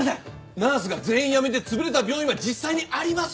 ナースが全員辞めて潰れた病院は実際にあります！